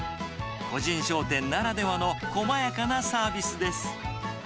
個人商店ならではの細やかなサービスです。